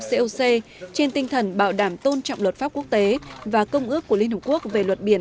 coc trên tinh thần bảo đảm tôn trọng luật pháp quốc tế và công ước của liên hợp quốc về luật biển